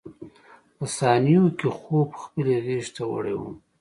په ثانیو کې خوب خپلې غېږې ته وړی وم.